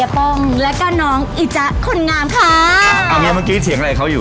เป็นไงเมื่อกี้เถียงอะไรเหรอเดี๋ยว